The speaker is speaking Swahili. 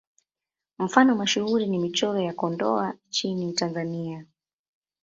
Mfano mashuhuri ni Michoro ya Kondoa nchini Tanzania.